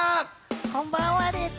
こんばんはです。